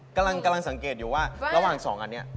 กำลังสังเกตอยู่ว่าระหว่าง๒อันนี้